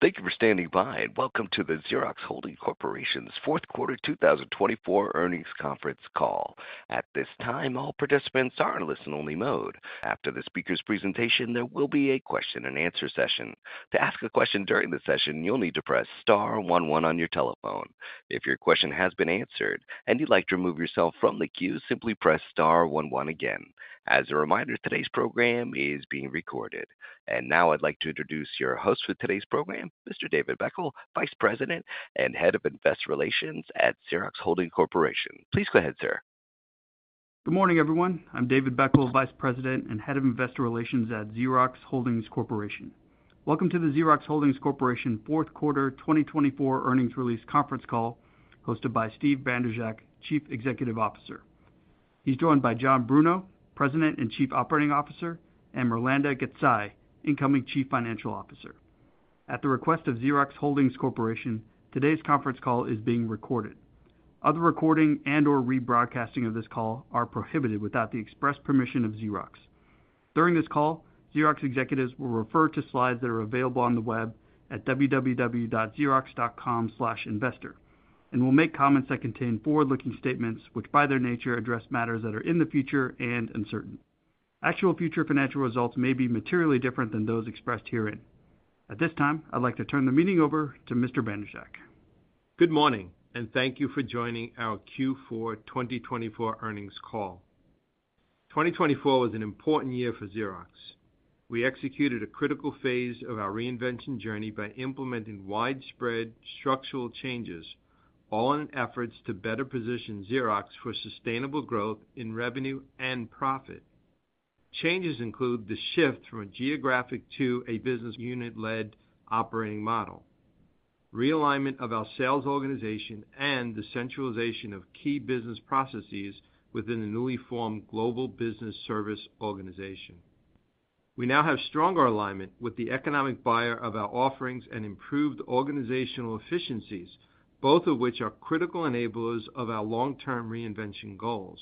Thank you for standing by, and welcome to the Xerox Holdings Corporation's Fourth Quarter 2024 Earnings Conference Call. At this time, all participants are in listen-only mode. After the speaker's presentation, there will be a question-and-answer session. To ask a question during the session, you'll need to press star one one on your telephone. If your question has been answered and you'd like to remove yourself from the queue, simply press star one one again. As a reminder, today's program is being recorded. And now I'd like to introduce your host for today's program, Mr. David Beckel, Vice President and Head of Investor Relations at Xerox Holdings Corporation. Please go ahead, sir. Good morning, everyone. I'm David Beckel, Vice President and Head of Investor Relations at Xerox Holdings Corporation. Welcome to the Xerox Holdings Corporation Fourth Quarter 2024 earnings release conference call hosted by Steve Bandrowczak, Chief Executive Officer. He's joined by John Bruno, President and Chief Operating Officer, and Mirlanda Gecaj, Incoming Chief Financial Officer. At the request of Xerox Holdings Corporation, today's conference call is being recorded. Other recording and/or rebroadcasting of this call are prohibited without the express permission of Xerox. During this call, Xerox executives will refer to slides that are available on the web at www.xerox.com/investor and will make comments that contain forward-looking statements which, by their nature, address matters that are in the future and uncertain. Actual future financial results may be materially different than those expressed herein. At this time, I'd like to turn the meeting over to Mr. Bandrowczak. Good morning, and thank you for joining our Q4 2024 earnings call. 2024 was an important year for Xerox. We executed a critical phase of our Reinvention journey by implementing widespread structural changes, all in efforts to better position Xerox for sustainable growth in revenue and profit. Changes include the shift from a geographic to a business unit-led operating model, realignment of our sales organization, and the centralization of key business processes within the newly formed Global Business Services organization. We now have stronger alignment with the economic buyer of our offerings and improved organizational efficiencies, both of which are critical enablers of our long-term Reinvention goals.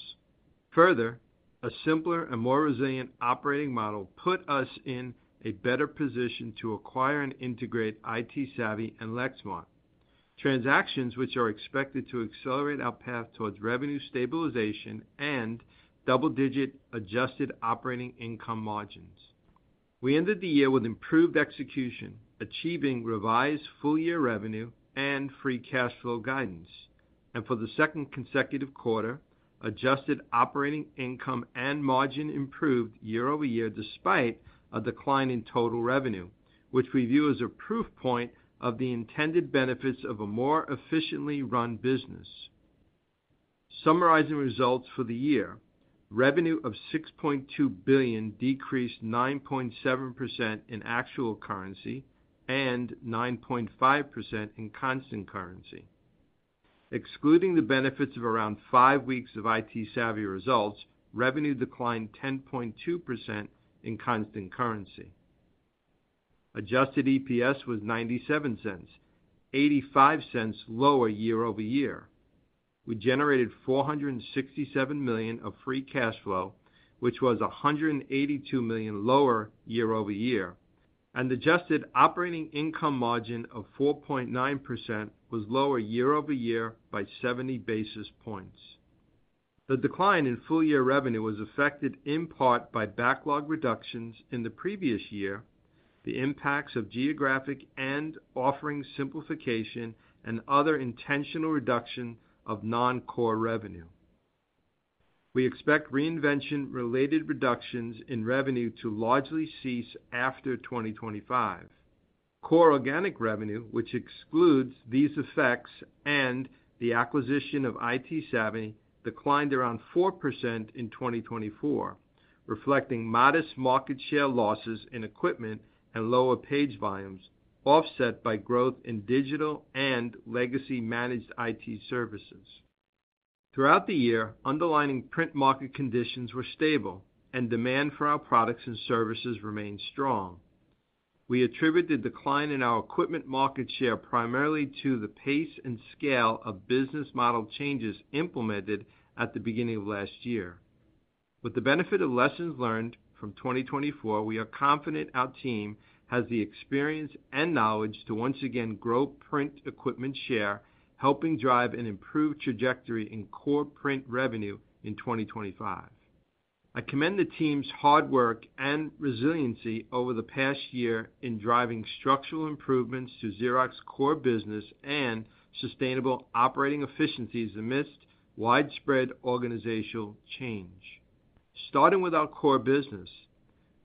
Further, a simpler and more resilient operating model put us in a better position to acquire and integrate ITsavvy and Lexmark transactions, which are expected to accelerate our path towards revenue stabilization and double-digit adjusted operating income margins. We ended the year with improved execution, achieving revised full-year revenue and free cash flow guidance. For the second consecutive quarter, adjusted operating income and margin improved year-over-year despite a decline in total revenue, which we view as a proof point of the intended benefits of a more efficiently run business. Summarizing results for the year: revenue of $6.2 billion decreased 9.7% in actual currency and 9.5% in constant currency. Excluding the benefits of around five weeks of ITsavvy results, revenue declined 10.2% in constant currency. Adjusted EPS was $0.97, $0.85 lower year-over-year. We generated $467 million of free cash flow, which was $182 million lower year-over-year. The adjusted operating income margin of 4.9% was lower year-over-year by 70 basis points. The decline in full-year revenue was affected in part by backlog reductions in the previous year, the impacts of geographic and offering simplification, and other intentional reductions of non-core revenue. We expect Reinvention-related reductions in revenue to largely cease after 2025. Core organic revenue, which excludes these effects and the acquisition of ITsavvy, declined around 4% in 2024, reflecting modest market share losses in equipment and lower page volumes, offset by growth in Digital and legacy managed IT services. Throughout the year, underlying Print market conditions were stable, and demand for our products and services remained strong. We attributed the decline in our equipment market share primarily to the pace and scale of business model changes implemented at the beginning of last year. With the benefit of lessons learned from 2024, we are confident our team has the experience and knowledge to once again grow Print equipment share, helping drive an improved trajectory in core Print revenue in 2025. I commend the team's hard work and resiliency over the past year in driving structural improvements to Xerox core business and sustainable operating efficiencies amidst widespread organizational change. Starting with our core business,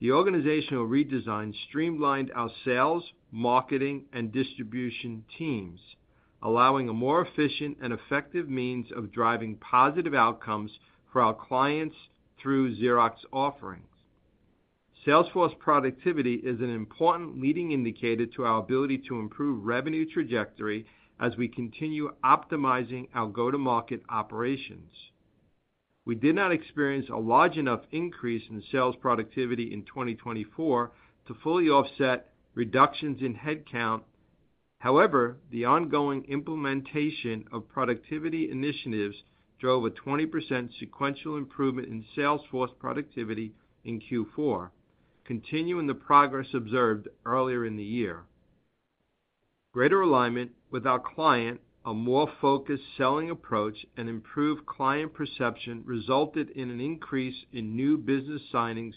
the organizational redesign streamlined our sales, marketing, and distribution teams, allowing a more efficient and effective means of driving positive outcomes for our clients through Xerox offerings. Salesforce productivity is an important leading indicator to our ability to improve revenue trajectory as we continue optimizing our go-to-market operations. We did not experience a large enough increase in sales productivity in 2024 to fully offset reductions in headcount. However, the ongoing implementation of productivity initiatives drove a 20% sequential improvement in sales force productivity in Q4, continuing the progress observed earlier in the year. Greater alignment with our client, a more focused selling approach, and improved client perception resulted in an increase in new business signings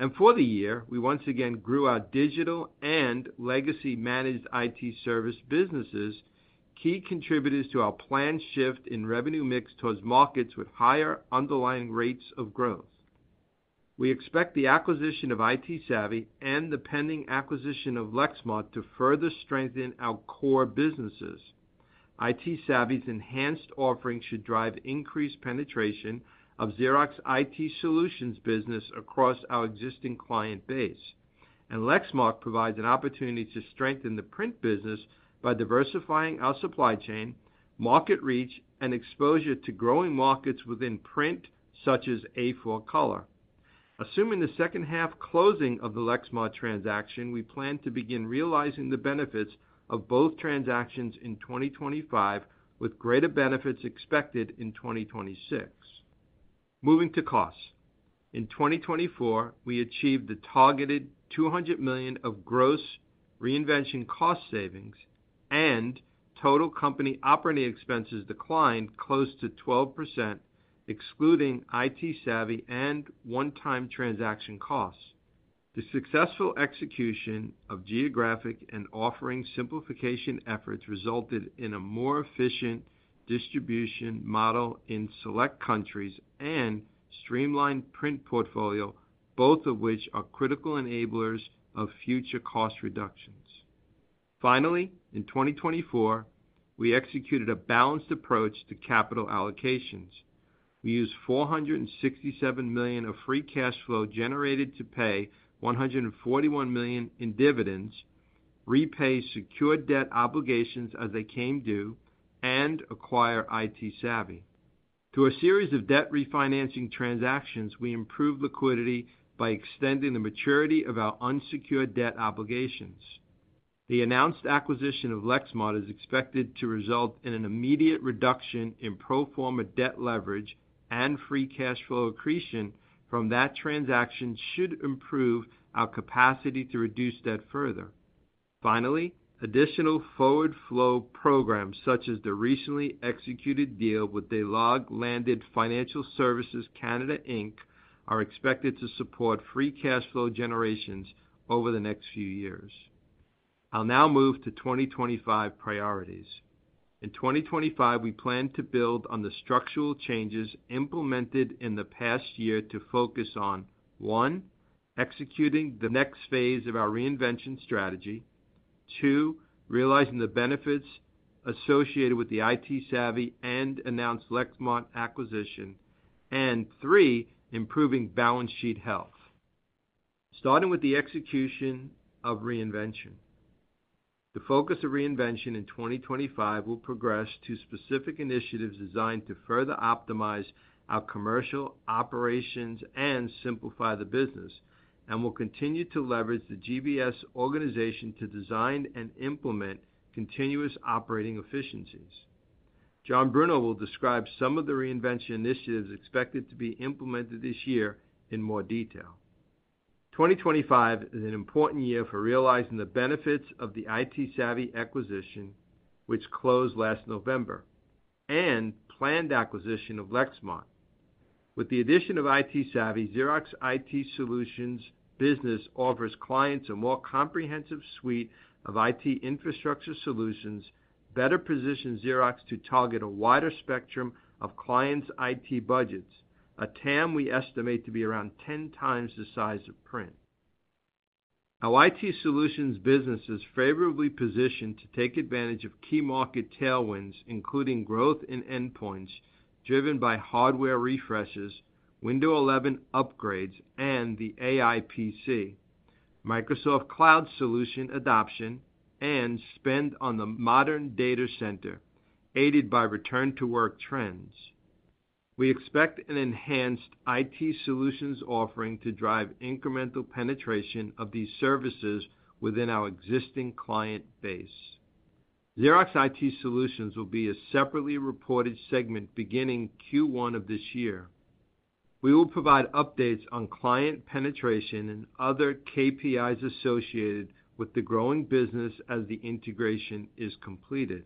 year-over-year. For the year, we once again grew our Digital and legacy managed IT service businesses, key contributors to our planned shift in revenue mix towards markets with higher underlying rates of growth. We expect the acquisition of ITsavvy and the pending acquisition of Lexmark to further strengthen our core businesses. ITsavvy's enhanced offering should drive increased penetration of Xerox IT Solutions business across our existing client base. Lexmark provides an opportunity to strengthen the Print business by diversifying our supply chain, market reach, and exposure to growing markets within Print, such as A4 color. Assuming the second half closing of the Lexmark transaction, we plan to begin realizing the benefits of both transactions in 2025, with greater benefits expected in 2026. Moving to costs. In 2024, we achieved the targeted $200 million of gross Reinvention cost savings, and total company operating expenses declined close to 12%, excluding ITsavvy and one-time transaction costs. The successful execution of geographic and offering simplification efforts resulted in a more efficient distribution model in select countries and streamlined Print portfolio, both of which are critical enablers of future cost reductions. Finally, in 2024, we executed a balanced approach to capital allocations. We used $467 million of free cash flow generated to pay $141 million in dividends, repay secured debt obligations as they came due, and acquire ITsavvy. Through a series of debt refinancing transactions, we improved liquidity by extending the maturity of our unsecured debt obligations. The announced acquisition of Lexmark is expected to result in an immediate reduction in pro forma debt leverage and free cash flow accretion from that transaction, which should improve our capacity to reduce debt further. Finally, additional forward flow programs, such as the recently executed deal with De Lage Landen Financial Services Canada Inc., are expected to support free cash flow generations over the next few years. I'll now move to 2025 priorities. In 2025, we plan to build on the structural changes implemented in the past year to focus on: one, executing the next phase of our Reinvention strategy; two, realizing the benefits associated with the ITsavvy and announced Lexmark acquisition; and three, improving balance sheet health. Starting with the execution of Reinvention. The focus of Reinvention in 2025 will progress to specific initiatives designed to further optimize our commercial operations and simplify the business, and will continue to leverage the GBS organization to design and implement continuous operating efficiencies. John Bruno will describe some of the Reinvention initiatives expected to be implemented this year in more detail. 2025 is an important year for realizing the benefits of the ITsavvy acquisition, which closed last November, and planned acquisition of Lexmark. With the addition of ITsavvy, Xerox IT Solutions business offers clients a more comprehensive suite of IT infrastructure solutions, better positioning Xerox to target a wider spectrum of clients' IT budgets, a TAM we estimate to be around 10 times the size of Print. Our IT Solutions business is favorably positioned to take advantage of key market tailwinds, including growth in endpoints driven by hardware refreshes, Windows 11 upgrades, and the AI PC, Microsoft Cloud solution adoption, and spend on the modern data center, aided by return-to-work trends. We expect an enhanced IT Solutions offering to drive incremental penetration of these services within our existing client base. Xerox IT Solutions will be a separately reported segment beginning Q1 of this year. We will provide updates on client penetration and other KPIs associated with the growing business as the integration is completed.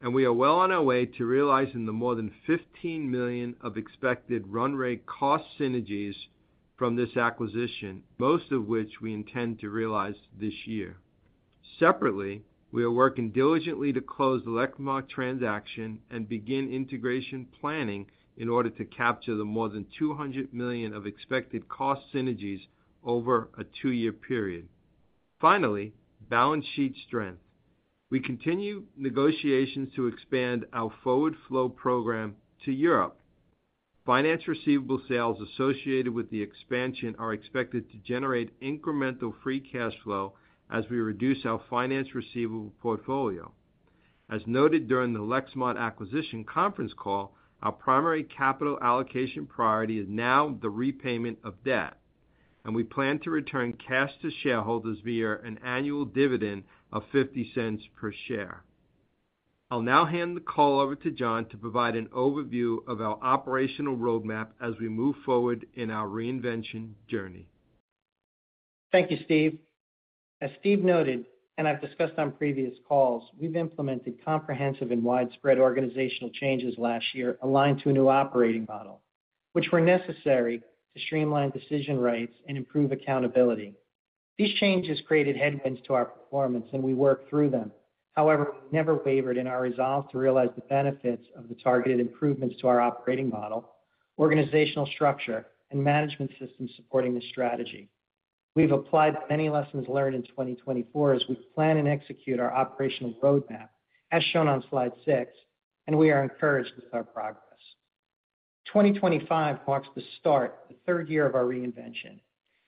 And we are well on our way to realizing the more than $15 million of expected run rate cost synergies from this acquisition, most of which we intend to realize this year. Separately, we are working diligently to close the Lexmark transaction and begin integration planning in order to capture the more than $200 million of expected cost synergies over a two-year period. Finally, balance sheet strength. We continue negotiations to expand our forward flow program to Europe. Finance receivable sales associated with the expansion are expected to generate incremental free cash flow as we reduce our finance receivable portfolio. As noted during the Lexmark acquisition conference call, our primary capital allocation priority is now the repayment of debt, and we plan to return cash to shareholders via an annual dividend of $0.50 per share. I'll now hand the call over to John to provide an overview of our operational roadmap as we move forward in our Reinvention journey. Thank you, Steve. As Steve noted, and I've discussed on previous calls, we've implemented comprehensive and widespread organizational changes last year aligned to a new operating model, which were necessary to streamline decision rights and improve accountability. These changes created headwinds to our performance, and we worked through them. However, we never wavered in our resolve to realize the benefits of the targeted improvements to our operating model, organizational structure, and management systems supporting this strategy. We've applied the many lessons learned in 2024 as we plan and execute our operational roadmap, as shown on slide six, and we are encouraged with our progress. 2025 marks the start, the third year of our Reinvention.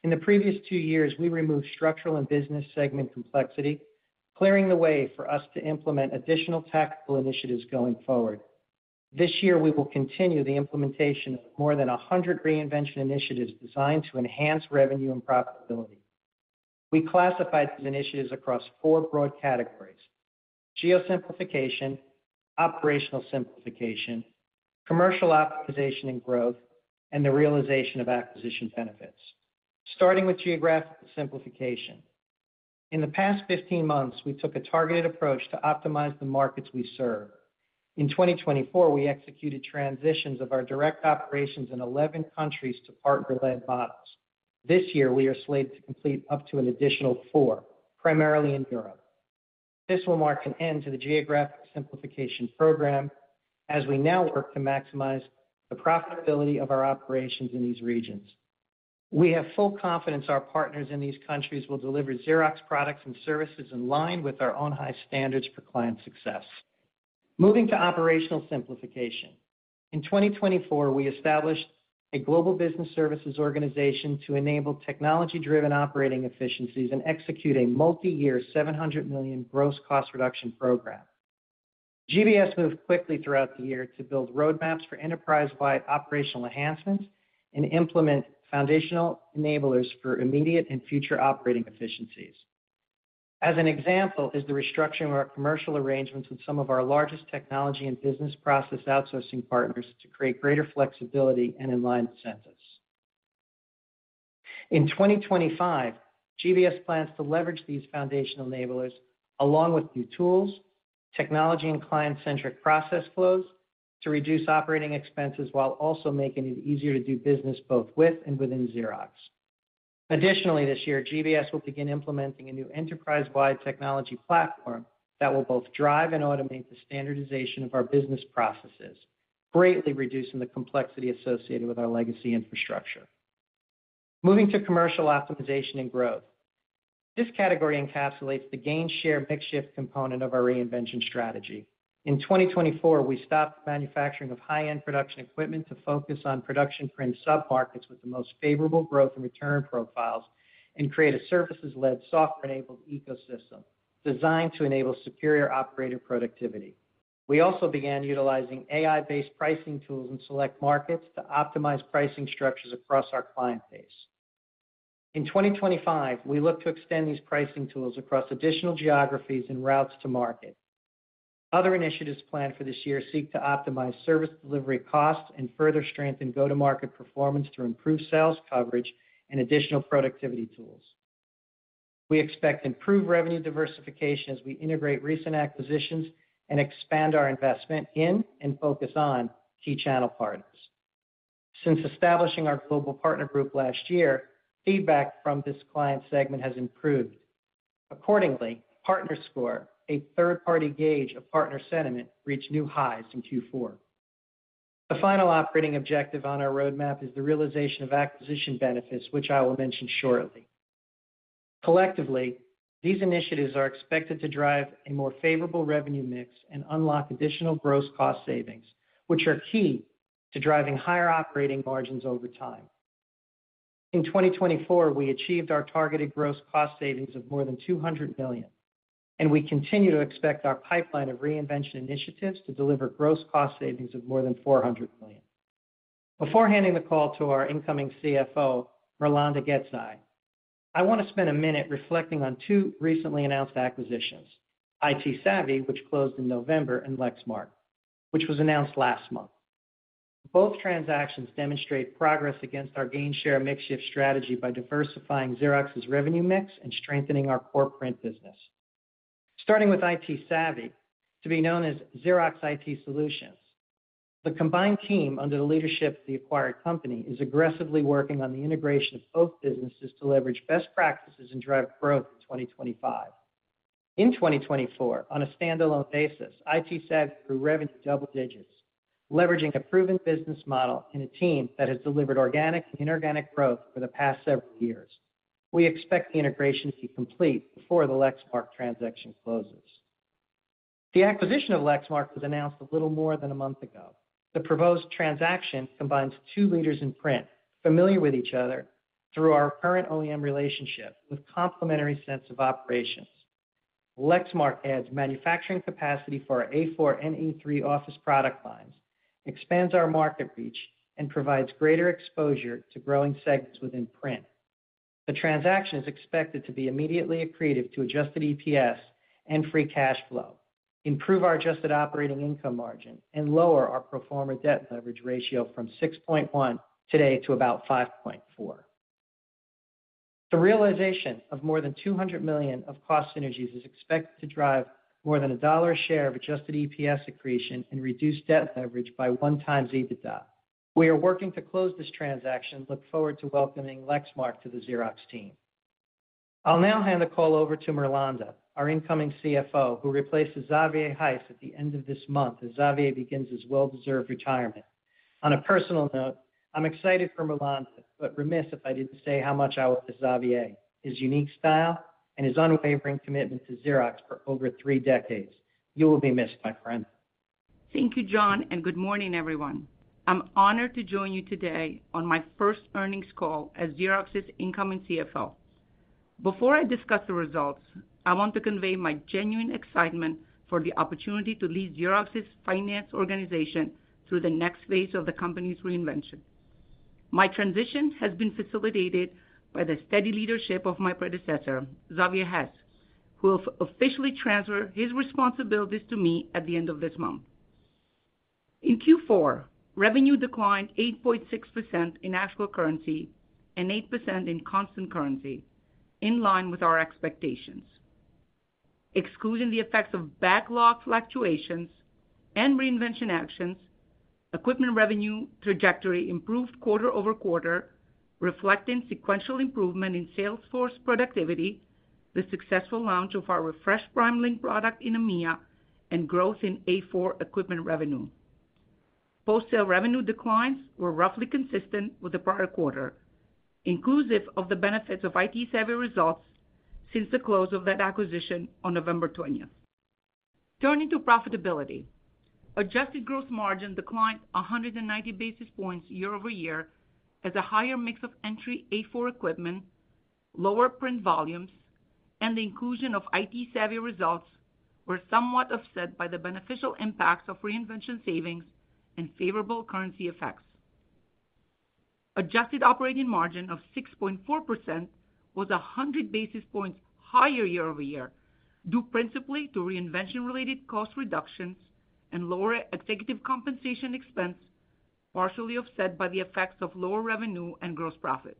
In the previous two years, we removed structural and business segment complexity, clearing the way for us to implement additional tactical initiatives going forward. This year, we will continue the implementation of more than 100 Reinvention initiatives designed to enhance revenue and profitability. We classified these initiatives across four broad categories: geosimplification, operational simplification, commercial optimization and growth, and the realization of acquisition benefits. Starting with geographical simplification. In the past 15 months, we took a targeted approach to optimize the markets we serve. In 2024, we executed transitions of our direct operations in 11 countries to partner-led models. This year, we are slated to complete up to an additional four, primarily in Europe. This will mark an end to the geographic simplification program as we now work to maximize the profitability of our operations in these regions. We have full confidence our partners in these countries will deliver Xerox products and services in line with our own high standards for client success. Moving to operational simplification. In 2024, we established a Global Business Services organization to enable technology-driven operating efficiencies and execute a multi-year $700 million gross cost reduction program. GBS moved quickly throughout the year to build roadmaps for enterprise-wide operational enhancements and implement foundational enablers for immediate and future operating efficiencies. As an example is the restructuring of our commercial arrangements with some of our largest technology and business process outsourcing partners to create greater flexibility and in-line incentives. In 2025, GBS plans to leverage these foundational enablers along with new tools, technology, and client-centric process flows to reduce operating expenses while also making it easier to do business both with and within Xerox. Additionally, this year, GBS will begin implementing a new enterprise-wide technology platform that will both drive and automate the standardization of our business processes, greatly reducing the complexity associated with our legacy infrastructure. Moving to commercial optimization and growth. This category encapsulates the gain-share mix shift component of our Reinvention strategy. In 2024, we stopped manufacturing of high-end production equipment to focus on production Print sub-markets with the most favorable growth and return profiles and create a services-led software-enabled ecosystem designed to enable superior operator productivity. We also began utilizing AI-based pricing tools in select markets to optimize pricing structures across our client base. In 2025, we look to extend these pricing tools across additional geographies and routes to market. Other initiatives planned for this year seek to optimize service delivery costs and further strengthen go-to-market performance through improved sales coverage and additional productivity tools. We expect improved revenue diversification as we integrate recent acquisitions and expand our investment in and focus on key channel partners. Since establishing our global partner group last year, feedback from this client segment has improved. Accordingly, PartnerScore, a third-party gauge of partner sentiment, reached new highs in Q4. The final operating objective on our roadmap is the realization of acquisition benefits, which I will mention shortly. Collectively, these initiatives are expected to drive a more favorable revenue mix and unlock additional gross cost savings, which are key to driving higher operating margins over time. In 2024, we achieved our targeted gross cost savings of more than $200 million, and we continue to expect our pipeline of Reinvention initiatives to deliver gross cost savings of more than $400 million. Before handing the call to our incoming CFO, Mirlanda Gecaj, I want to spend a minute reflecting on two recently announced acquisitions: ITsavvy, which closed in November, and Lexmark, which was announced last month. Both transactions demonstrate progress against our gain-share mix shift strategy by diversifying Xerox's revenue mix and strengthening our core Print business. Starting with ITsavvy, to be known as Xerox IT Solutions. The combined team under the leadership of the acquired company is aggressively working on the integration of both businesses to leverage best practices and drive growth in 2025. In 2024, on a standalone basis, ITsavvy grew revenue double digits, leveraging a proven business model and a team that has delivered organic and inorganic growth for the past several years. We expect the integration to be complete before the Lexmark transaction closes. The acquisition of Lexmark was announced a little more than a month ago. The proposed transaction combines two leaders in Print, familiar with each other through our current OEM relationship with complementary sets of operations. Lexmark adds manufacturing capacity for our A4 and A3 office product lines, expands our market reach, and provides greater exposure to growing segments within Print. The transaction is expected to be immediately accretive to Adjusted EPS and free cash flow, improve our adjusted operating income margin, and lower our pro forma debt leverage ratio from 6.1 today to about 5.4. The realization of more than $200 million of cost synergies is expected to drive more than a dollar share of adjusted EPS accretion and reduce debt leverage by one times EBITDA. We are working to close this transaction and look forward to welcoming Lexmark to the Xerox team. I'll now hand the call over to Mirlanda Gecaj, our incoming CFO, who replaces Xavier Heiss at the end of this month as Xavier begins his well-deserved retirement. On a personal note, I'm excited for Mirlanda Gecaj, but remiss if I didn't say how much I want Xavier, his unique style, and his unwavering commitment to Xerox for over three decades. You will be missed, my friend. Thank you, John, and good morning, everyone. I'm honored to join you today on my first earnings call as Xerox's incoming CFO. Before I discuss the results, I want to convey my genuine excitement for the opportunity to lead Xerox's finance organization through the next phase of the company's Reinvention. My transition has been facilitated by the steady leadership of my predecessor, Xavier Heiss, who will officially transfer his responsibilities to me at the end of this month. In Q4, revenue declined 8.6% in actual currency and 8% in constant currency, in line with our expectations. Excluding the effects of backlog fluctuations and Reinvention actions, equipment revenue trajectory improved quarter over quarter, reflecting sequential improvement in Salesforce productivity, the successful launch of our refreshed PrimeLink product in EMEA, and growth in A4 equipment revenue. Post-sale revenue declines were roughly consistent with the prior quarter, inclusive of the benefits of ITsavvy results since the close of that acquisition on November 20th. Turning to profitability, adjusted gross margin declined 190 basis points year-over-year as a higher mix of entry A4 equipment, lower Print volumes, and the inclusion of ITsavvy results were somewhat offset by the beneficial impacts of Reinvention savings and favorable currency effects. Adjusted operating margin of 6.4% was 100 basis points higher year-over-year due principally to Reinvention-related cost reductions and lower executive compensation expense, partially offset by the effects of lower revenue and gross profit.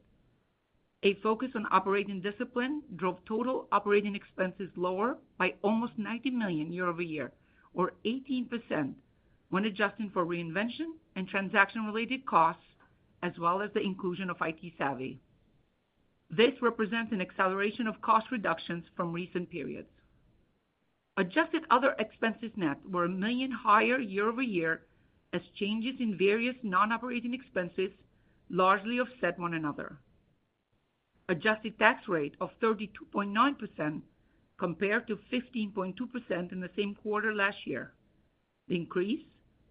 A focus on operating discipline drove total operating expenses lower by almost $90 million year-over-year, or 18%, when adjusting for Reinvention and transaction-related costs, as well as the inclusion of ITsavvy. This represents an acceleration of cost reductions from recent periods. Adjusted other expenses net were $1 million higher year-over-year as changes in various non-operating expenses largely offset one another. Adjusted tax rate of 32.9% compared to 15.2% in the same quarter last year. The increase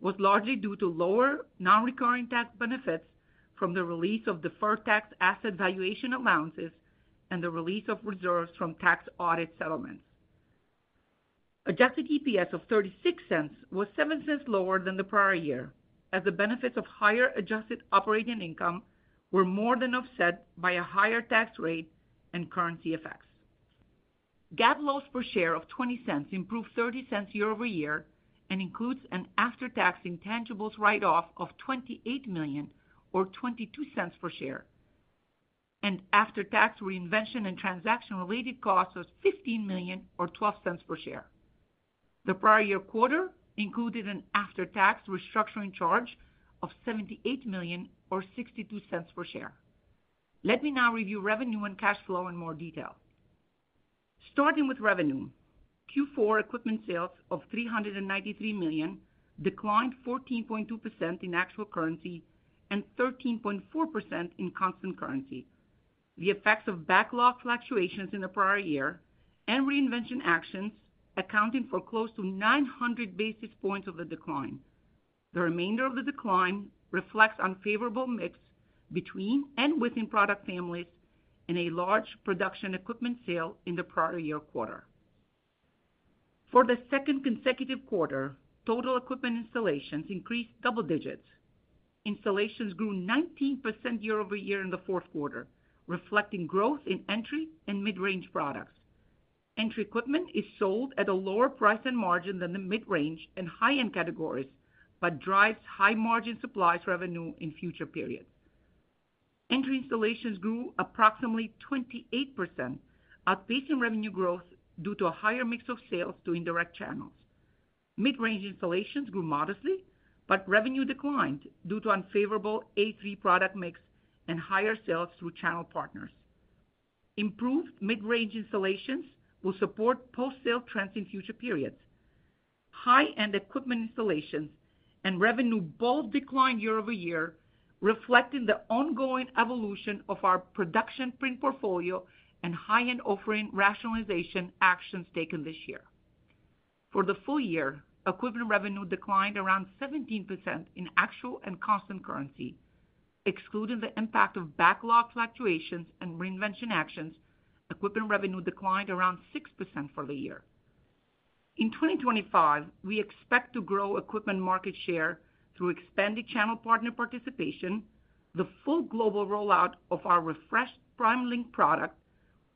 was largely due to lower non-recurring tax benefits from the release of deferred tax asset valuation allowances and the release of reserves from tax audit settlements. Adjusted EPS of $0.36 was $0.07 lower than the prior year, as the benefits of higher adjusted operating income were more than offset by a higher tax rate and currency effects. GAAP loss per share of $0.20 improved $0.30 year-over-year and includes an after-tax intangibles write-off of $28 million, or $0.22 per share, and after-tax Reinvention and transaction-related costs of $15 million, or $0.12 per share. The prior year quarter included an after-tax restructuring charge of $78 million, or $0.62 per share. Let me now review revenue and cash flow in more detail. Starting with revenue, Q4 equipment sales of $393 million declined 14.2% in actual currency and 13.4% in constant currency. The effects of backlog fluctuations in the prior year and Reinvention actions accounted for close to 900 basis points of the decline. The remainder of the decline reflects unfavorable mix between and within product families and a large production equipment sale in the prior year quarter. For the second consecutive quarter, total equipment installations increased double digits. Installations grew 19% year-over-year in the fourth quarter, reflecting growth in entry and mid-range products. Entry equipment is sold at a lower price and margin than the mid-range and high-end categories but drives high-margin supplies revenue in future periods. Entry installations grew approximately 28%, outpacing revenue growth due to a higher mix of sales to indirect channels. Mid-range installations grew modestly, but revenue declined due to unfavorable A3 product mix and higher sales through channel partners. Improved mid-range installations will support post-sale trends in future periods. High-end equipment installations and revenue both declined year-over-year, reflecting the ongoing evolution of our production Print portfolio and high-end offering rationalization actions taken this year. For the full year, equipment revenue declined around 17% in actual and constant currency. Excluding the impact of backlog fluctuations and Reinvention actions, equipment revenue declined around 6% for the year. In 2025, we expect to grow equipment market share through expanded channel partner participation, the full global rollout of our refreshed PrimeLink product,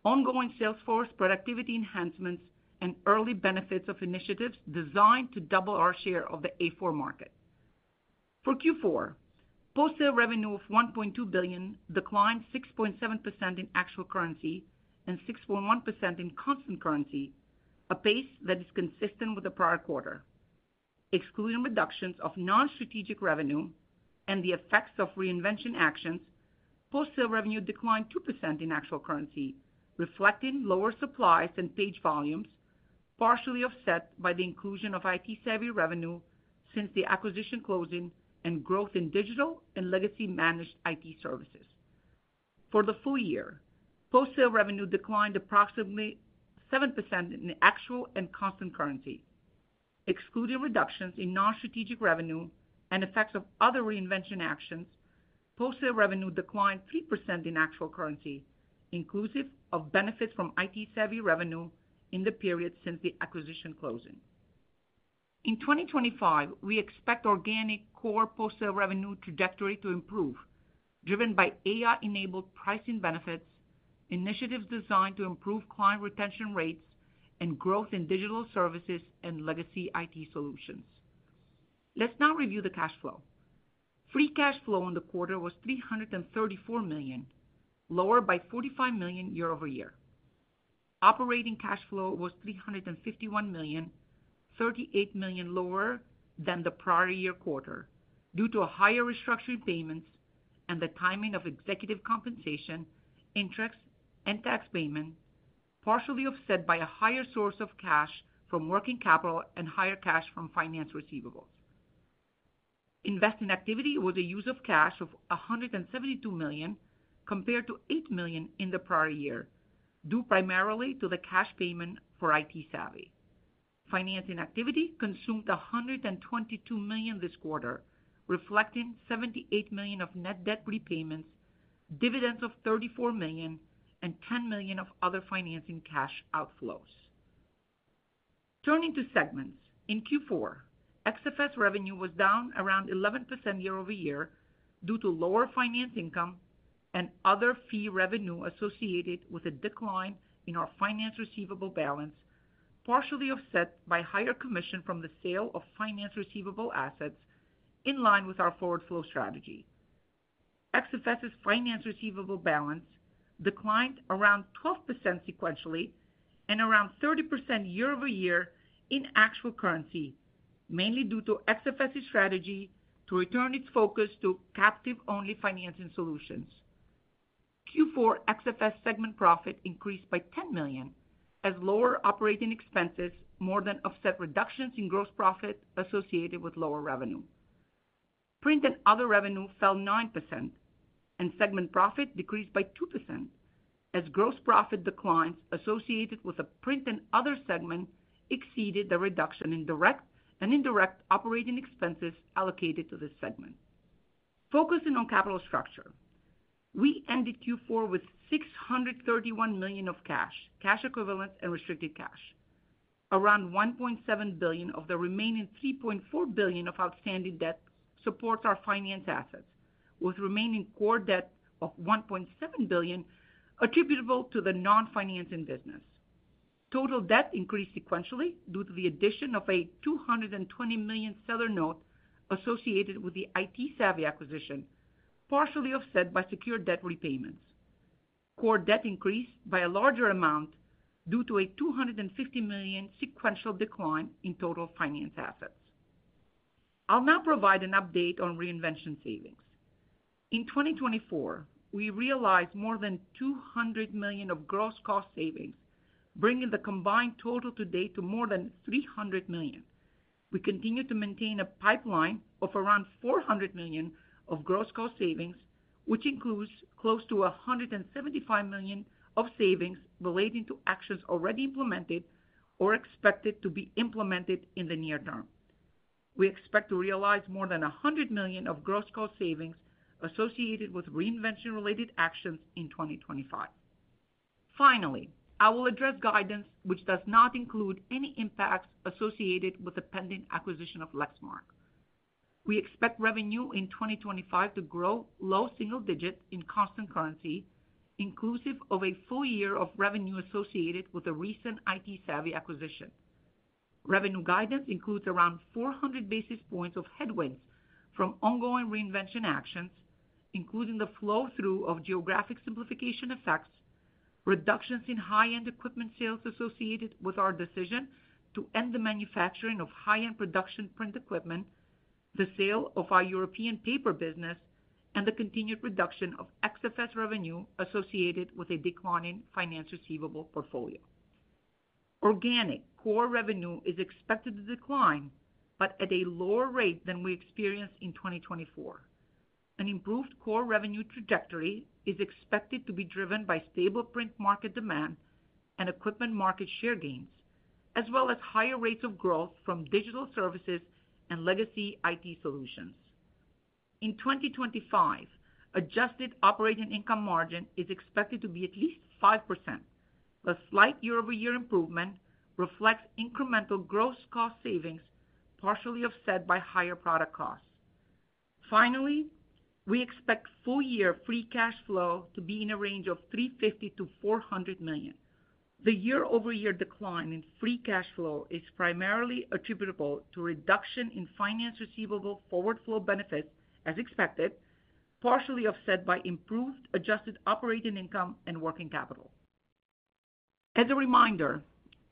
ongoing Salesforce productivity enhancements, and early benefits of initiatives designed to double our share of the A4 market. For Q4, post-sale revenue of $1.2 billion declined 6.7% in actual currency and 6.1% in constant currency, a pace that is consistent with the prior quarter. Excluding reductions of non-strategic revenue and the effects of Reinvention actions, post-sale revenue declined 2% in actual currency, reflecting lower supplies and page volumes, partially offset by the inclusion of ITsavvy revenue since the acquisition closing and growth in Digital and legacy managed IT services. For the full year, post-sale revenue declined approximately 7% in actual and constant currency. Excluding reductions in non-strategic revenue and effects of other Reinvention actions, post-sale revenue declined 3% in actual currency, inclusive of benefits from ITsavvy revenue in the period since the acquisition closing. In 2025, we expect organic core post-sale revenue trajectory to improve, driven by AI-enabled pricing benefits, initiatives designed to improve client retention rates, and growth in Digital services and legacy IT Solutions. Let's now review the cash flow. Free cash flow in the quarter was $334 million, lower by $45 million year-over-year. Operating cash flow was $351 million, $38 million lower than the prior year quarter due to higher restructuring payments and the timing of executive compensation, interest, and tax payment, partially offset by a higher source of cash from working capital and higher cash from finance receivables. Investment activity was a use of cash of $172 million compared to $8 million in the prior year due primarily to the cash payment for ITsavvy. Financing activity consumed $122 million this quarter, reflecting $78 million of net debt repayments, dividends of $34 million, and $10 million of other financing cash outflows. Turning to segments, in Q4, XFS revenue was down around 11% year-over-year due to lower finance income and other fee revenue associated with a decline in our finance receivable balance, partially offset by higher commission from the sale of finance receivable assets in line with our forward flow strategy. XFS's finance receivable balance declined around 12% sequentially and around 30% year-over-year in actual currency, mainly due to XFS's strategy to return its focus to captive-only financing solutions. Q4 XFS segment profit increased by $10 million as lower operating expenses more than offset reductions in gross profit associated with lower revenue. Print and Other revenue fell 9%, and segment profit decreased by 2% as gross profit declines associated with the Print and Other segment exceeded the reduction in direct and indirect operating expenses allocated to this segment. Focusing on capital structure, we ended Q4 with $631 million of cash, cash equivalent, and restricted cash. Around $1.7 billion of the remaining $3.4 billion of outstanding debt supports our finance assets, with remaining core debt of $1.7 billion attributable to the non-financing business. Total debt increased sequentially due to the addition of a $220 million seller note associated with the ITsavvy acquisition, partially offset by secured debt repayments. Core debt increased by a larger amount due to a $250 million sequential decline in total finance assets. I'll now provide an update on Reinvention savings. In 2024, we realized more than $200 million of gross cost savings, bringing the combined total to date to more than $300 million. We continue to maintain a pipeline of around $400 million of gross cost savings, which includes close to $175 million of savings relating to actions already implemented or expected to be implemented in the near term. We expect to realize more than $100 million of gross cost savings associated with Reinvention-related actions in 2025. Finally, I will address guidance which does not include any impacts associated with the pending acquisition of Lexmark. We expect revenue in 2025 to grow low single digits in constant currency, inclusive of a full year of revenue associated with a recent ITsavvy acquisition. Revenue guidance includes around 400 basis points of headwinds from ongoing Reinvention actions, including the flow-through of geographic simplification effects, reductions in high-end equipment sales associated with our decision to end the manufacturing of high-end production Print equipment, the sale of our European paper business, and the continued reduction of XFS revenue associated with a declining finance receivable portfolio. Organic core revenue is expected to decline, but at a lower rate than we experienced in 2024. An improved core revenue trajectory is expected to be driven by stable Print market demand and equipment market share gains, as well as higher rates of growth from Digital services and legacy IT Solutions. In 2025, adjusted operating income margin is expected to be at least 5%. The slight year-over-year improvement reflects incremental gross cost savings, partially offset by higher product costs. Finally, we expect full-year free cash flow to be in a range of $350 million-$400 million. The year-over-year decline in free cash flow is primarily attributable to reduction in finance receivable forward flow benefits, as expected, partially offset by improved adjusted operating income and working capital. As a reminder,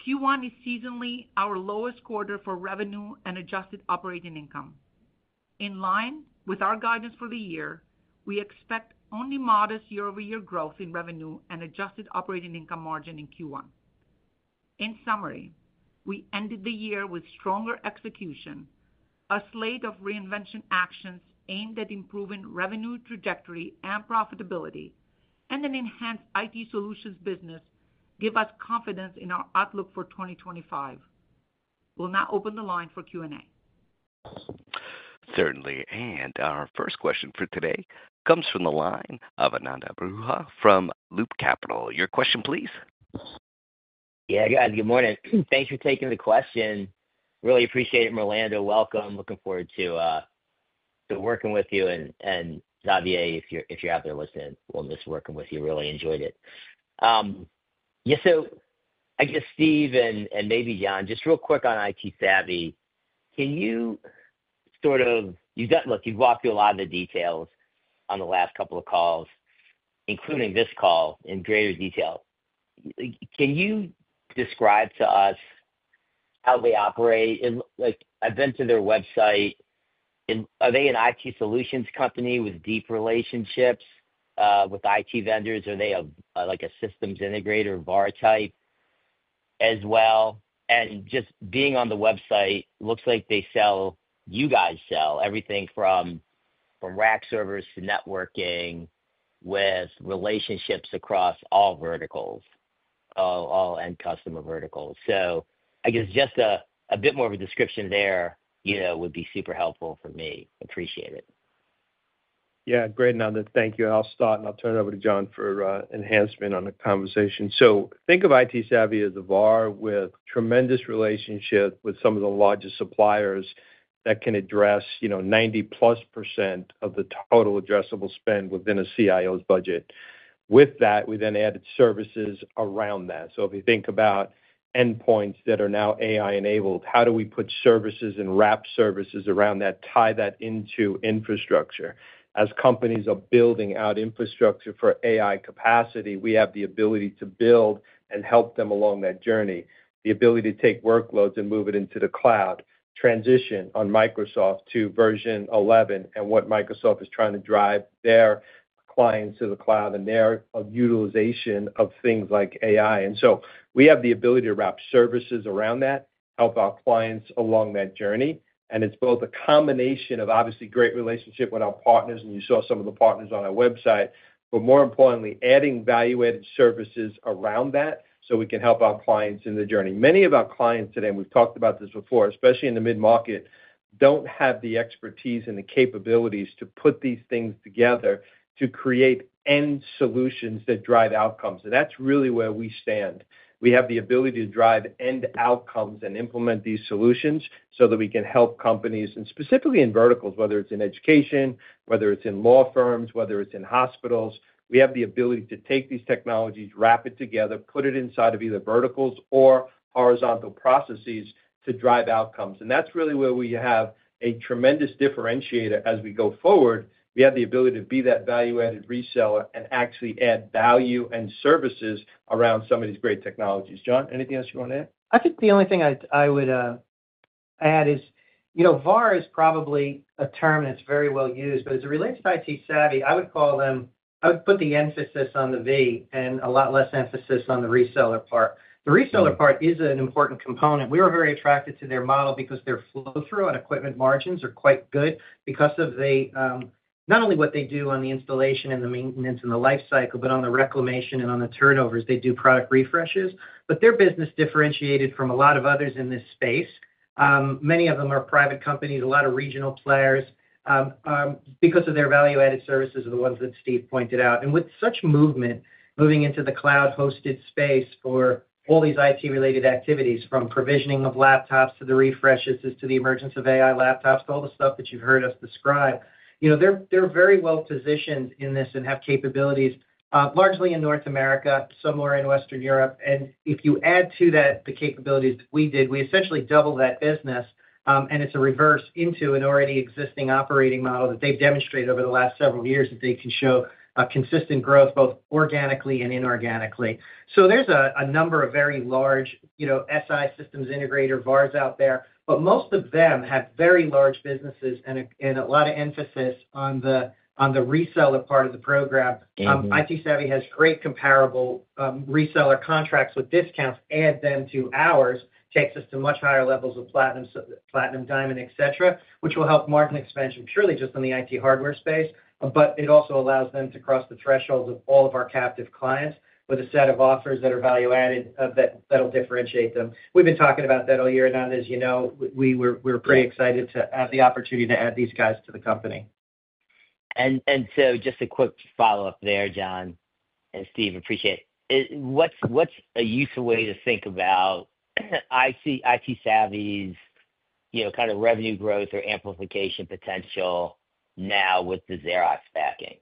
Q1 is seasonally our lowest quarter for revenue and adjusted operating income. In line with our guidance for the year, we expect only modest year-over-year growth in revenue and adjusted operating income margin in Q1. In summary, we ended the year with stronger execution. A slate of Reinvention actions aimed at improving revenue trajectory and profitability and an enhanced IT Solutions business give us confidence in our outlook for 2025. We'll now open the line for Q&A. Certainly, and our first question for today comes from the line of Ananda Baruah from Loop Capital. Your question, please. Yeah, guys, good morning. Thanks for taking the question. Really appreciate it, Mirlanda. Welcome. Looking forward to working with you. And Xavier, if you're out there listening, we'll miss working with you. Really enjoyed it. Yeah, so I guess Steve and maybe John, just real quick on ITsavvy. Can you sort of, you've got, look, you've walked through a lot of the details on the last couple of calls, including this call, in greater detail. Can you describe to us how they operate? I've been to their website. Are they an IT solutions company with deep relationships with IT vendors? Are they a systems integrator, VAR-type as well? And just being on the website, looks like they sell, you guys sell everything from rack servers to networking with relationships across all verticals, all end customer verticals. I guess just a bit more of a description there would be super helpful for me. Appreciate it. Yeah, great, Ananda. Thank you. I'll start and I'll turn it over to John for enhancement on the conversation. Think of ITsavvy as a VAR with tremendous relationship with some of the largest suppliers that can address 90%+ of the total addressable spend within a CIO's budget. With that, we then added services around that. If you think about endpoints that are now AI-enabled, how do we put services and wrap services around that, tie that into infrastructure? As companies are building out infrastructure for AI capacity, we have the ability to build and help them along that journey. The ability to take workloads and move it into the cloud. Transition on Microsoft to version 11 and what Microsoft is trying to drive their clients to the cloud and their utilization of things like AI. And so we have the ability to wrap services around that, help our clients along that journey. And it's both a combination of obviously great relationship with our partners, and you saw some of the partners on our website, but more importantly, adding value-added services around that so we can help our clients in the journey. Many of our clients today, and we've talked about this before, especially in the mid-market, don't have the expertise and the capabilities to put these things together to create end solutions that drive outcomes. And that's really where we stand. We have the ability to drive end outcomes and implement these solutions so that we can help companies, and specifically in verticals, whether it's in education, whether it's in law firms, whether it's in hospitals. We have the ability to take these technologies, wrap it together, put it inside of either verticals or horizontal processes to drive outcomes. And that's really where we have a tremendous differentiator as we go forward. We have the ability to be that value-added reseller and actually add value and services around some of these great technologies. John, anything else you want to add? I think the only thing I would add is VAR is probably a term that's very well used, but as it relates to ITsavvy, I would call them, I would put the emphasis on the V and a lot less emphasis on the reseller part. The reseller part is an important component. We were very attracted to their model because their flow-through on equipment margins are quite good because of not only what they do on the installation and the maintenance and the life cycle, but on the reclamation and on the turnovers. They do product refreshes, but their business differentiated from a lot of others in this space. Many of them are private companies, a lot of regional players. Because of their value-added services are the ones that Steve pointed out, and with such movement, moving into the cloud-hosted space for all these IT-related activities, from provisioning of laptops to the refreshes to the emergence of AI laptops, all the stuff that you've heard us describe, they're very well positioned in this and have capabilities largely in North America, somewhere in Western Europe. And if you add to that the capabilities that we did, we essentially doubled that business, and it's a reverse into an already existing operating model that they've demonstrated over the last several years that they can show consistent growth both organically and inorganically. So there's a number of very large SI systems integrator VARs out there, but most of them have very large businesses and a lot of emphasis on the reseller part of the program. ITsavvy has great comparable reseller contracts with discounts. Add them to ours, takes us to much higher levels of platinum, diamond, etc., which will help margin expansion purely just in the IT hardware space, but it also allows them to cross the thresholds of all of our captive clients with a set of offers that are value-added that'll differentiate them. We've been talking about that all year. As you know, we were pretty excited to have the opportunity to add these guys to the company. Just a quick follow-up there, John and Steve. Appreciate it. What's a useful way to think about ITsavvy's kind of revenue growth or amplification potential now with the Xerox backing?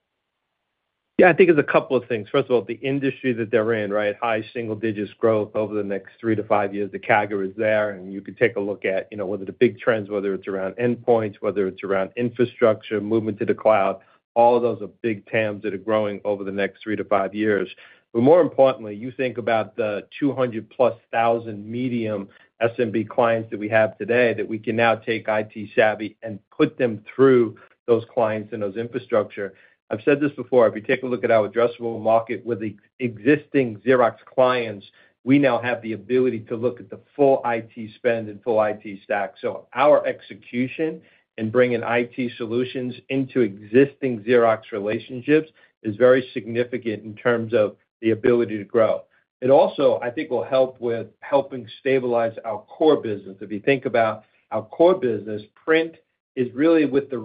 Yeah, I think it's a couple of things. First of all, the industry that they're in, right? High single digits growth over the next three to five years. The CAGR is there, and you could take a look at whether the big trends, whether it's around endpoints, whether it's around infrastructure, movement to the cloud, all of those are big TAMs that are growing over the next three to five years. But more importantly, you think about the 200-plus thousand medium SMB clients that we have today that we can now take ITsavvy and put them through those clients and those infrastructure. I've said this before. If you take a look at our addressable market with existing Xerox clients, we now have the ability to look at the full IT spend and full IT stack. So our execution and bringing IT Solutions into existing Xerox relationships is very significant in terms of the ability to grow. It also, I think, will help with helping stabilize our core business. If you think about our core business, Print is really with the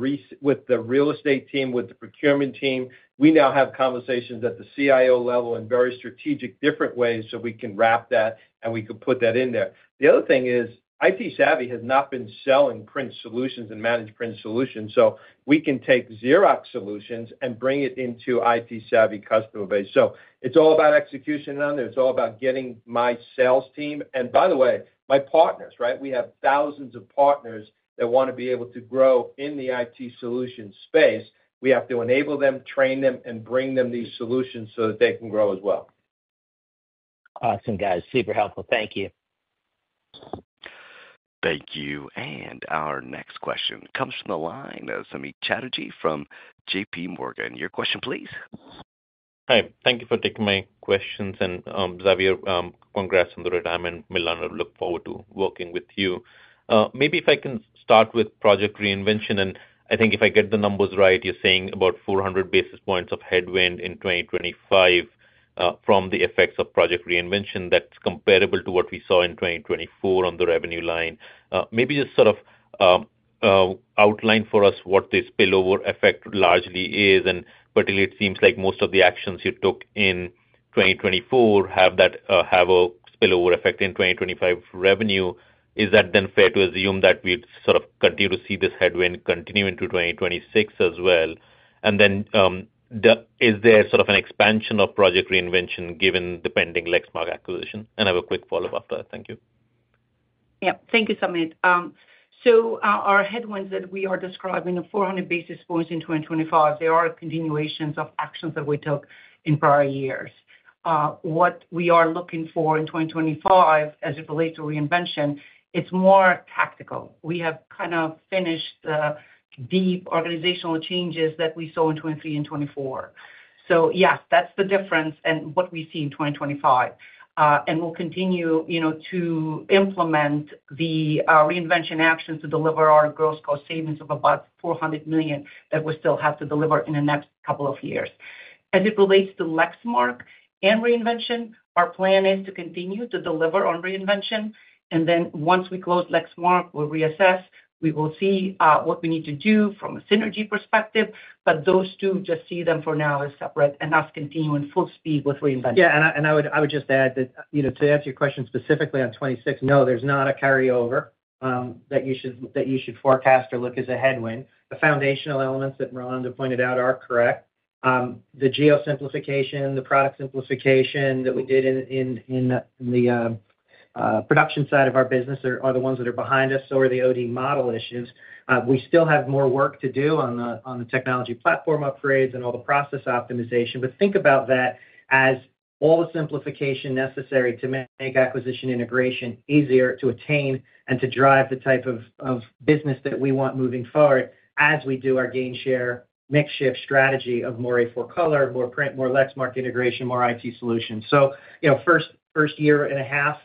real estate team, with the procurement team. We now have conversations at the CIO level in very strategic different ways so we can wrap that and we can put that in there. The other thing is ITsavvy has not been selling Print solutions and managed Print solutions. So we can take Xerox solutions and bring it into ITsavvy customer base. So it's all about execution, and it's all about getting my sales team. And by the way, my partners, right? We have thousands of partners that want to be able to grow in the IT solution space. We have to enable them, train them, and bring them these solutions so that they can grow as well. Awesome, guys. Super helpful. Thank you. Thank you. And our next question comes from the line of Samik Chatterjee from JPMorgan. Your question, please. Hi. Thank you for taking my questions. And Xavier, congrats on the retirement. Mirlanda, look forward to working with you. Maybe if I can start with project Reinvention. And I think if I get the numbers right, you're saying about 400 basis points of headwind in 2025 from the effects of project Reinvention. That's comparable to what we saw in 2024 on the revenue line. Maybe just sort of outline for us what this spillover effect largely is. And particularly, it seems like most of the actions you took in 2024 have a spillover effect in 2025 revenue. Is that then fair to assume that we'd sort of continue to see this headwind continue into 2026 as well? And then is there sort of an expansion of project Reinvention given the pending Lexmark acquisition? And I have a quick follow-up after that. Thank you. Yeah. Thank you, Samik. So our headwinds that we are describing of 400 basis points in 2025, they are continuations of actions that we took in prior years. What we are looking for in 2025 as it relates to Reinvention, it's more tactical. We have kind of finished the deep organizational changes that we saw in 2023 and 2024. So yes, that's the difference and what we see in 2025. And we'll continue to implement the Reinvention actions to deliver our gross cost savings of about $400 million that we still have to deliver in the next couple of years. As it relates to Lexmark and Reinvention, our plan is to continue to deliver on Reinvention. And then once we close Lexmark, we'll reassess. We will see what we need to do from a synergy perspective, but those two, just see them for now as separate and us continuing full speed with Reinvention. Yeah. I would just add that to answer your question specifically on 2026, no, there's not a carryover that you should forecast or look as a headwind. The foundational elements that Mirlanda pointed out are correct. The geo simplification, the product simplification that we did in the production side of our business are the ones that are behind us, so are the OEM model issues. We still have more work to do on the technology platform upgrades and all the process optimization, but think about that as all the simplification necessary to make acquisition integration easier to attain and to drive the type of business that we want moving forward as we do our gain share, market shift strategy of more A4 color, more Print, more Lexmark integration, more IT Solutions. The first year and a half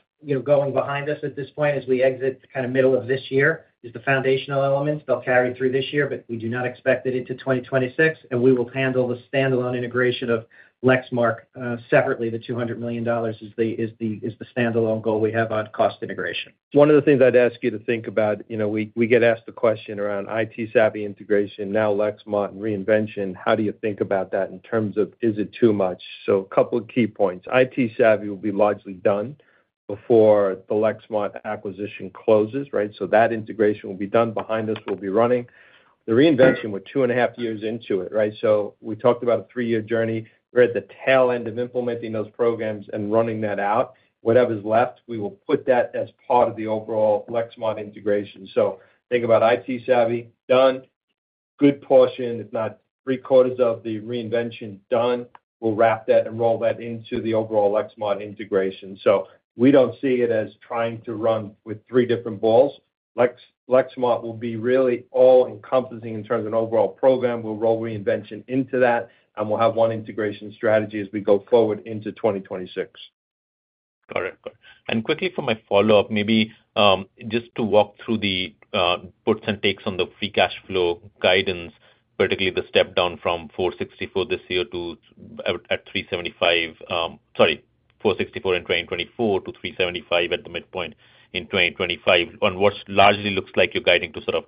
going behind us at this point, as we exit kind of middle of this year, is the foundational elements. They'll carry through this year, but we do not expect it into 2026. We will handle the standalone integration of Lexmark separately. The $200 million is the standalone goal we have on cost integration. One of the things I'd ask you to think about, we get asked the question around ITsavvy integration, now Lexmark and Reinvention. How do you think about that in terms of is it too much? A couple of key points. ITsavvy will be largely done before the Lexmark acquisition closes, right? That integration will be done behind us, will be running. The Reinvention with two and a half years into it, right? We talked about a three-year journey. We're at the tail end of implementing those programs and running that out. Whatever's left, we will put that as part of the overall Lexmark integration. So think about ITsavvy, done. Good portion, if not three quarters of the Reinvention, done. We'll wrap that and roll that into the overall Lexmark integration. So we don't see it as trying to run with three different balls. Lexmark will be really all-encompassing in terms of an overall program. We'll roll Reinvention into that, and we'll have one integration strategy as we go forward into 2026. Got it. And quickly for my follow-up, maybe just to walk through the percent takes on the free cash flow guidance, particularly the step down from $464 this year to at $375, sorry, $464 in 2024 to $375 at the midpoint in 2025 on what largely looks like you're guiding to sort of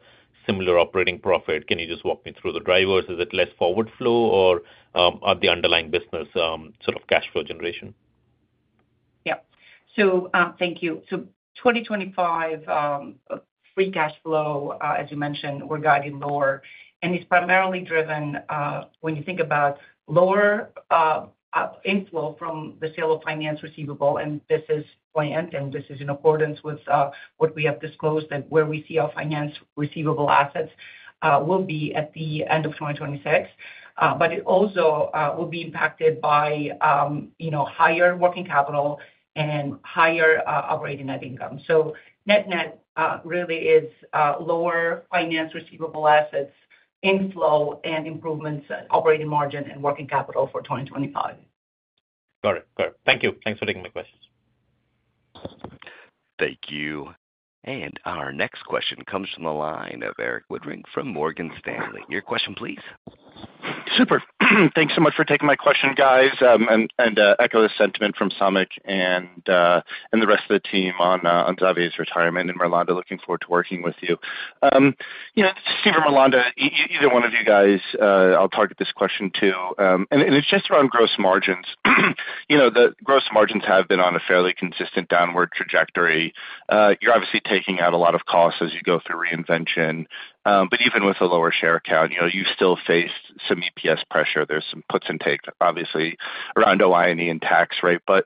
similar operating profit. Can you just walk me through the drivers? Is it less forward flow or the underlying business sort of cash flow generation? Yeah. So thank you. So 2025 free cash flow, as you mentioned, we're guiding lower. And it's primarily driven when you think about lower inflow from the sale of finance receivables. And this is planned, and this is in accordance with what we have disclosed that where we see our finance receivables assets will be at the end of 2026. But it also will be impacted by higher working capital and higher operating net income. So net-net really is lower finance receivables assets, inflow, and improvements in operating margin and working capital for 2025. Got it. Got it. Thank you. Thanks for taking my questions. Thank you. And our next question comes from the line of Erik Woodring from Morgan Stanley. Your question, please. Super. Thanks so much for taking my question, guys. And echo the sentiment from Samik and the rest of the team on Xavier's retirement. And Mirlanda, looking forward to working with you. Steve and Mirlanda, either one of you guys, I'll target this question too. And it's just around gross margins. The gross margins have been on a fairly consistent downward trajectory. You're obviously taking out a lot of costs as you go through Reinvention. But even with a lower share account, you still face some EPS pressure. There's some puts and takes, obviously, around [OI and E] and tax, right? But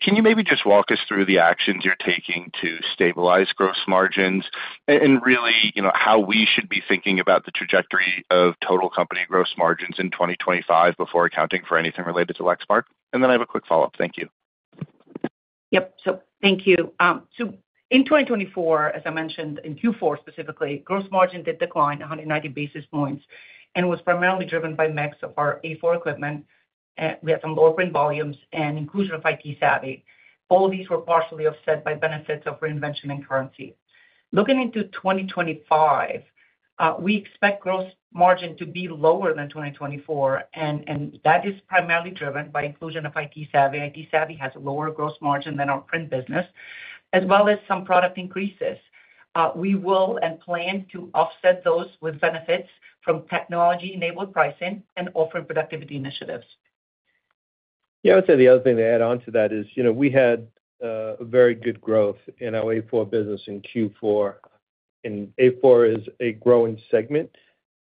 can you maybe just walk us through the actions you're taking to stabilize gross margins and really how we should be thinking about the trajectory of total company gross margins in 2025 before accounting for anything related to Lexmark? And then I have a quick follow-up. Thank you. Yep. So thank you. So in 2024, as I mentioned, in Q4 specifically, gross margin did decline 190 basis points and was primarily driven by mix of our A4 equipment. We had some lower Print volumes and inclusion of ITsavvy. All of these were partially offset by benefits of Reinvention and currency. Looking into 2025, we expect gross margin to be lower than 2024. And that is primarily driven by inclusion of ITsavvy. ITsavvy has a lower gross margin than our Print business, as well as some product increases. We will and plan to offset those with benefits from technology-enabled pricing and offering productivity initiatives. Yeah. I would say the other thing to add on to that is we had very good growth in our A4 business in Q4. And A4 is a growing segment.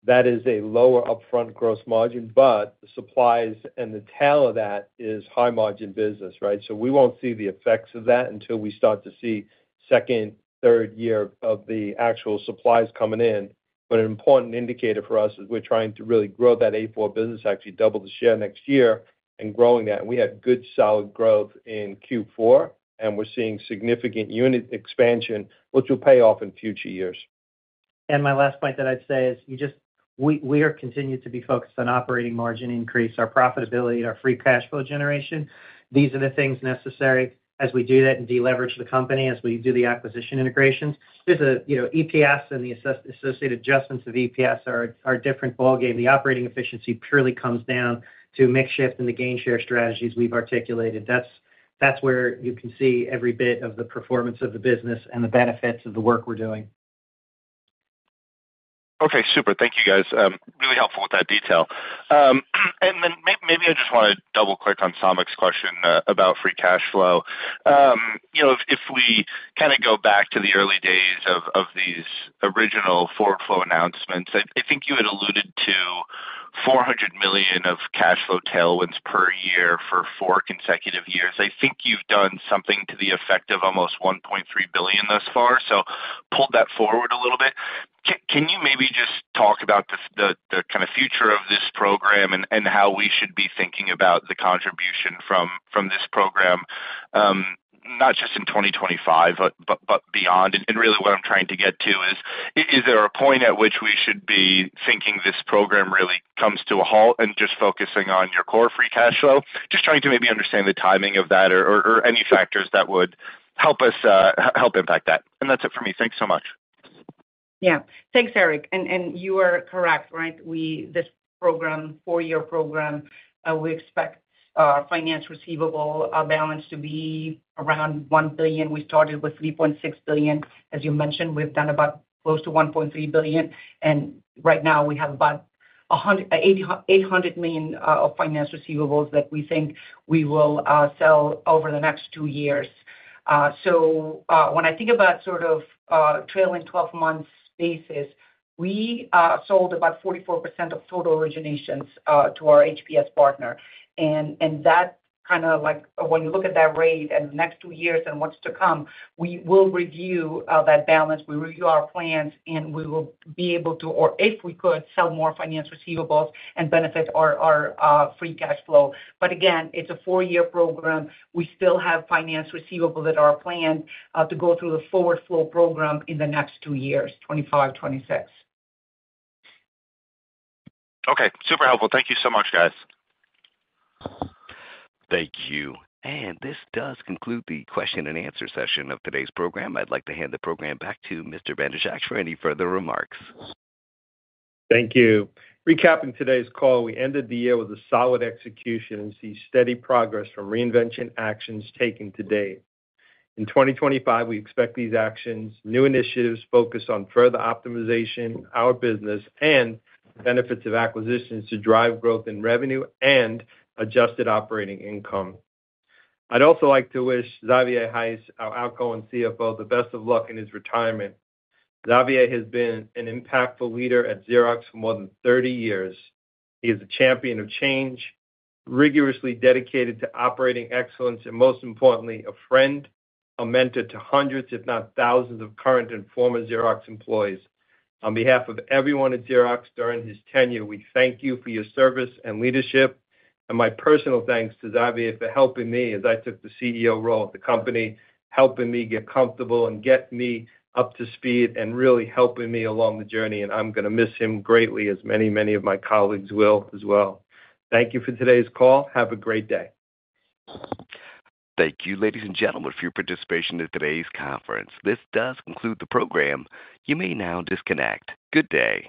That is a lower upfront gross margin, but the supplies and the tail of that is high margin business, right? So we won't see the effects of that until we start to see second, third year of the actual supplies coming in. But an important indicator for us is we're trying to really grow that A4 business, actually double the share next year and growing that. And we had good solid growth in Q4, and we're seeing significant unit expansion, which will pay off in future years. And my last point that I'd say is we are continuing to be focused on operating margin increase, our profitability, and our free cash flow generation. These are the things necessary as we do that and deleverage the company as we do the acquisition integrations. EPS and the associated adjustments of EPS are a different ballgame. The operating efficiency purely comes down to mix shift and the gain share strategies we've articulated. That's where you can see every bit of the performance of the business and the benefits of the work we're doing. Okay. Super. Thank you, guys. Really helpful with that detail, and then maybe I just want to double-click on Samik's question about free cash flow. If we kind of go back to the early days of these original forward flow announcements, I think you had alluded to $400 million of cash flow tailwinds per year for four consecutive years. I think you've done something to the effect of almost $1.3 billion thus far, so pull that forward a little bit. Can you maybe just talk about the kind of future of this program and how we should be thinking about the contribution from this program, not just in 2025, but beyond? And really what I'm trying to get to is, is there a point at which we should be thinking this program really comes to a halt and just focusing on your core free cash flow? Just trying to maybe understand the timing of that or any factors that would help us help impact that. And that's it for me. Thanks so much. Yeah. Thanks, Erik. And you are correct, right? This program, four-year program, we expect our finance receivable balance to be around $1 billion. We started with $3.6 billion. As you mentioned, we've done about close to $1.3 billion. And right now, we have about $800 million of finance receivables that we think we will sell over the next two years. So when I think about sort of trailing 12-month basis, we sold about 44% of total originations to our HPS partner. And that kind of like when you look at that rate and the next two years and what's to come, we will review that balance. We review our plans, and we will be able to, or if we could, sell more finance receivables and benefit our free cash flow. But again, it's a four-year program. We still have finance receivables that are planned to go through the forward flow program in the next two years, 2025, 2026. Okay. Super helpful. Thank you so much, guys. Thank you. And this does conclude the question and answer session of today's program. I'd like to hand the program back to Mr. Bandrowczak for any further remarks. Thank you. Recapping today's call, we ended the year with a solid execution and see steady progress from Reinvention actions taken today. In 2025, we expect these actions, new initiatives focused on further optimization, our business, and benefits of acquisitions to drive growth in revenue and adjusted operating income. I'd also like to wish Xavier Heiss, our outgoing CFO, the best of luck in his retirement. Xavier has been an impactful leader at Xerox for more than 30 years. He is a champion of change, rigorously dedicated to operating excellence, and most importantly, a friend, a mentor to hundreds, if not thousands of current and former Xerox employees. On behalf of everyone at Xerox during his tenure, we thank you for your service and leadership, and my personal thanks to Xavier for helping me as I took the CEO role at the company, helping me get comfortable and get me up to speed and really helping me along the journey. And I'm going to miss him greatly, as many, many of my colleagues will as well. Thank you for today's call. Have a great day. Thank you, ladies and gentlemen, for your participation in today's conference. This does conclude the program. You may now disconnect. Good day.